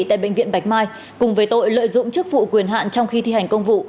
tại bệnh viện bạch mai cùng với tội lợi dụng chức vụ quyền hạn trong khi thi hành công vụ